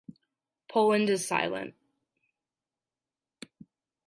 Poland is silent...